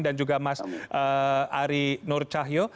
dan juga mas ari nur cahyo